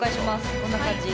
こんな感じ。